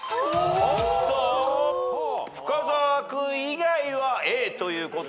深澤君以外はＡという答え。